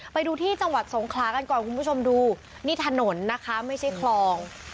ไปดูที่จังหวัดสงขลากันก่อนคุณผู้ชมดูนี่ถนนนะคะไม่ใช่คลอง